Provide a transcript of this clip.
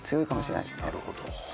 なるほど。